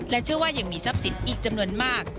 เชื่อว่ายังมีทรัพย์สินอีกจำนวนมาก